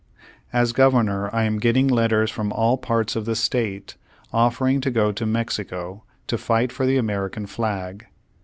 As Governor I am getting letters from all parts of the state offering to go to Mexico, to fight for the American flag.